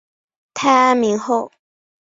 太安明侯